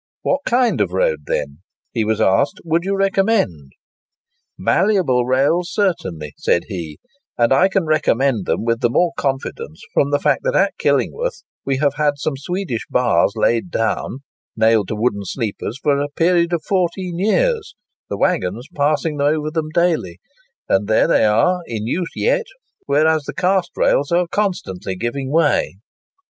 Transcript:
"What kind of road, then," he was asked, "would you recommend?" "Malleable rails, certainly," said he; "and I can recommend them with the more confidence from the fact that at Killingworth we have had some Swedish bars laid down—nailed to wooden sleepers—for a period of fourteen years, the waggons passing over them daily; and there they are, in use yet, whereas the cast rails are constantly giving way."